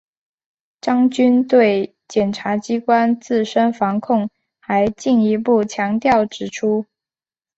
张军对检察机关自身防控还进一步强调指出